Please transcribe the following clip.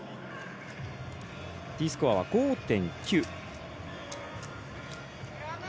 Ｄスコアは５．９。